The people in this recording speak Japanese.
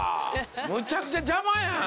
むちゃくちゃ邪魔やん。